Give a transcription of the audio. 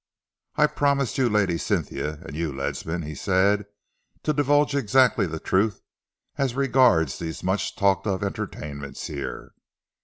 "I promised you, Lady Cynthia, and you, Ledsam," he said, "to divulge exactly the truth as regards these much talked of entertainments here.